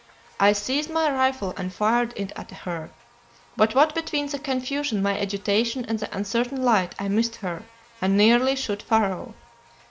I seized my rifle and fired it at her, but what between the confusion, my agitation, and the uncertain light, I missed her, and nearly shot Pharaoh.